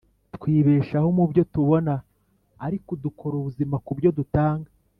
twibeshaho mubyo tubona, ariko dukora ubuzima kubyo dutanga.